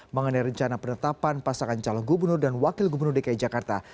mengenai rencana penetapan pasangan calon gubernur dan wakil gubernur dki jakarta